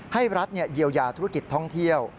ให้รัฐเยียวยาธุรกิจท่องเที่ยว